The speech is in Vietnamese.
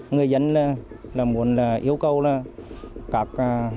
người dân là muốn là yêu cầu là các